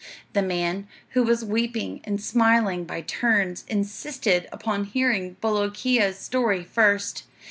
The man, who was weeping and smiling by turns, insisted upon hearing Bolookeea's story first.